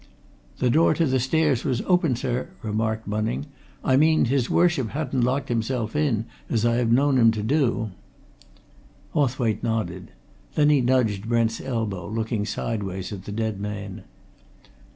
"The door to the stairs was open, sir," remarked Bunning. "I mean his Worship hadn't locked himself in, as I have known him do." Hawthwaite nodded. Then he nudged Brent's elbow, looking sideways at the dead man.